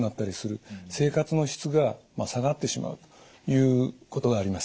生活の質が下がってしまうということがあります。